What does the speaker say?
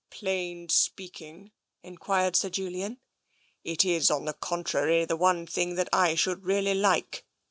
" Plain speaking? " enquired Sir Julian. " It is, on the contrary, the one thing that I should really like.